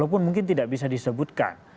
walaupun mungkin tidak bisa disebutkan